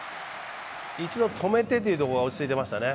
一度止めてというところが落ち着いてましたね。